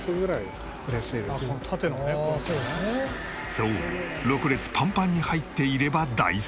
そう６列パンパンに入っていれば大成功。